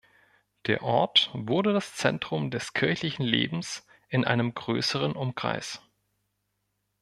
Der Ort wurde das Zentrum des kirchlichen Lebens in einem größeren Umkreis.